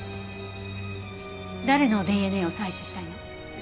誰のＤＮＡを採取したいの？